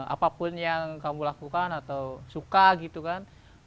apapun yang kamu lakukan atau suka gitu kan